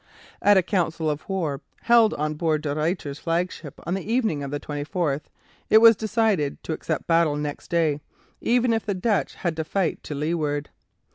At a council of war held on board De Ruyter's flagship on the evening of the 24th it was decided to accept battle next day, even if the Dutch had to fight to leeward.